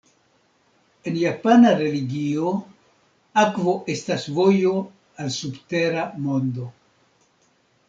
En japana religio, akvo estas vojo al subtera mondo.